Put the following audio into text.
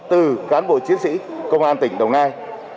từ cán bộ chiến sĩ công an tỉnh đồng nai